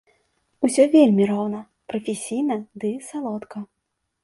Усё вельмі роўна, прафесійна ды салодка.